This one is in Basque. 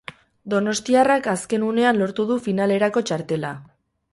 Donostiarrak azken unean lortu du finalerako txartela.